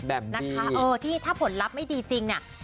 แบบนะคะเออที่ถ้าผลลัพธ์ไม่ดีจริงเนี่ย